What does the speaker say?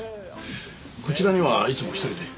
こちらにはいつも１人で？